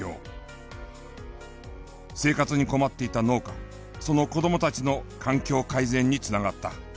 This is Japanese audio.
生活に困っていた農家その子どもたちの環境改善に繋がった。